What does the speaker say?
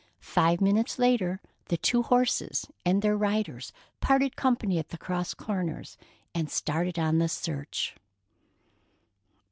Five minutes later, the two horses and their riders parted company at the cross corners, and started on the search.